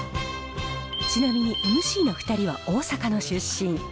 ちなみにＭＣの２人は大阪の出身。